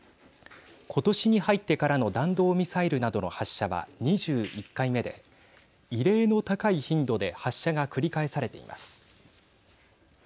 今年に入ってからの弾道ミサイルなどの発射は２１回目で異例の高い頻度で発射が繰り返されています。